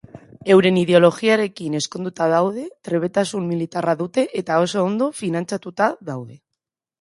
Euren ideologiarekin ezkonduta daude, trebetasun militarra dute eta oso ondo finantzatuta daude.